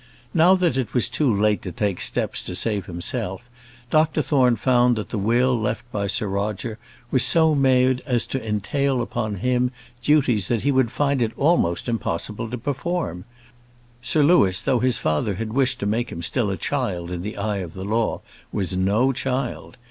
Now that it was too late to take steps to save himself, Dr Thorne found that the will left by Sir Roger was so made as to entail upon him duties that he would find it almost impossible to perform. Sir Louis, though his father had wished to make him still a child in the eye of the law, was no child.